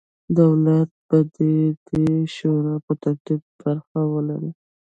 دولت به د دې شورا په ترتیب کې برخه ولري.